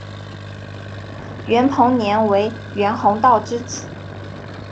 袁彭年为袁宏道之子。